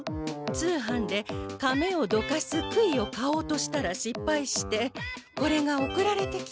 通販で甕をどかす杭を買おうとしたらしっぱいしてこれが送られてきたの。